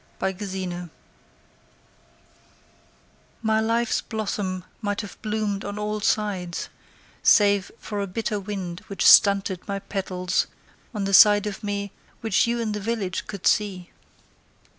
Serepta Mason My life's blossom might have bloomed on all sides Save for a bitter wind which stunted my petals On the side of me which you in the village could see.